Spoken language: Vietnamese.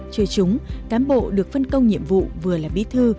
chưa chúng cán bộ được phân công nhiệm vụ vừa là bí thư